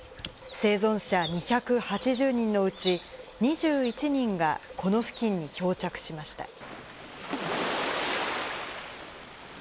生存者２８０人のうち、２１人がこの付近に漂着しました。